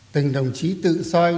từng đồng chí tự soi